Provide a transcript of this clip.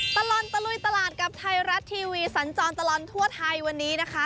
ตลอดตะลุยตลาดกับไทยรัฐทีวีสันจรตลอดทั่วไทยวันนี้นะคะ